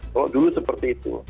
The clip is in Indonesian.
kalau dulu seperti itu